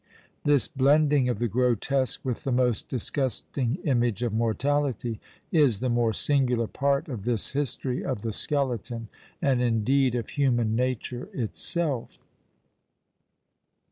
This blending of the grotesque with the most disgusting image of mortality, is the more singular part of this history of the skeleton, and indeed of human nature itself!